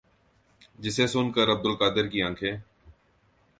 جسے سن کر عبدالقادر کی انکھیں